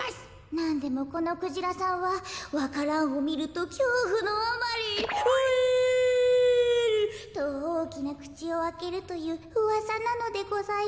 なんでもこのクジラさんはわか蘭をみるときょうふのあまりホエールとおおきなくちをあけるといううわさなのでございます。